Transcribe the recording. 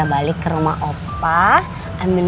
gua merasa aktif